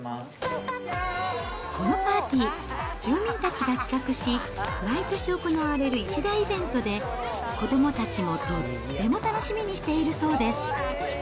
このパーティー、住民たちが企画し、毎年行われる一大イベントで、子どもたちもとっても楽しみにしているそうです。